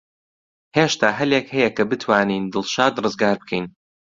هێشتا هەلێک هەیە کە بتوانین دڵشاد ڕزگار بکەین.